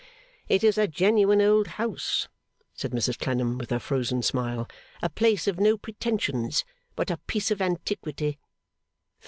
'It is a genuine old house,' said Mrs Clennam, with her frozen smile. 'A place of no pretensions, but a piece of antiquity.